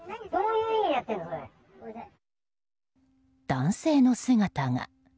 男性の姿が。